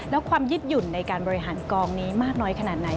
แล้วความยึดหยุ่นในการบริหารกองนี้มากน้อยขนาดไหน